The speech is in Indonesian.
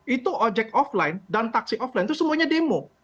itu ojek offline dan taksi online itu semuanya demo